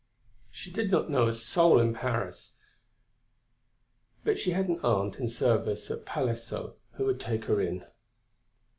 She did not know a soul in Paris; but she had an aunt, in service at Palaiseau, who would take her in.